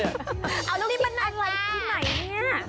นี่มันอะไรทำไงเนี่ย